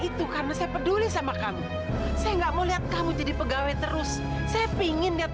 itu karena saya peduli sama kamu saya enggak mau lihat kamu jadi pegawai terus saya pingin lihat